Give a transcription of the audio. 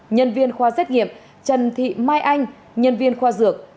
nhân viên khoa xét nghiệm trần thị mai anh nhân viên khoa dược